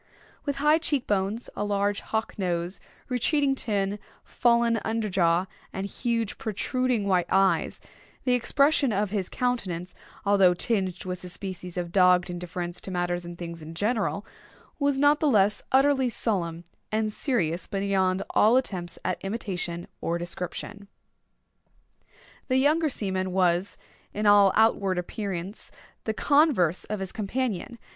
With high cheek bones, a large hawk nose, retreating chin, fallen under jaw, and huge protruding white eyes, the expression of his countenance, although tinged with a species of dogged indifference to matters and things in general, was not the less utterly solemn and serious beyond all attempts at imitation or description. The younger seaman was, in all outward appearance, the converse of his companion.